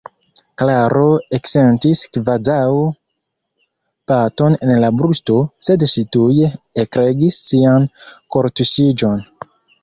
Klaro eksentis kvazaŭ baton en la brusto, sed ŝi tuj ekregis sian kortuŝiĝon.